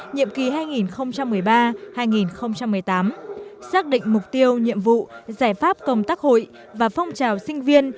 nhiệm kỳ hai nghìn một mươi ba hai nghìn một mươi tám xác định mục tiêu nhiệm vụ giải pháp công tác hội và phong trào sinh viên